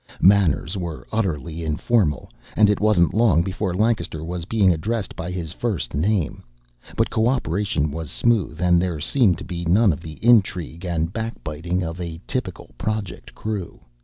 Manners were utterly informal, and it wasn't long before even Lancaster was being addressed by his first name; but cooperation was smooth and there seemed to be none of the intrigue and backbiting of a typical Project crew.